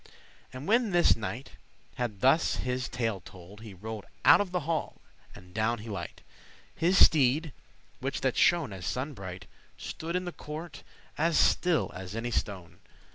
And when this knight had thus his tale told, He rode out of the hall, and down he light. His steede, which that shone as sunne bright, Stood in the court as still as any stone.